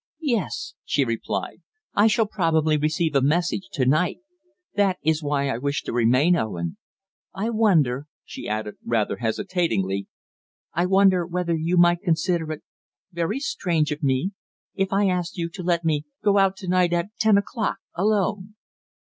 "Yes," she replied, "I shall probably receive a message to night. That is why I wish to remain, Owen. I wonder," she added rather hesitatingly, "I wonder whether you would consider it very strange of me if I asked you to let me go out to night at ten o'clock alone?"